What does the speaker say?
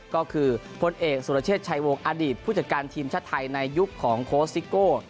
ก็คือพลเอกสุรเชษฐชัยวงอดีตผู้จัดการทีมชาติไทยในยุคของโค้ชซิโก้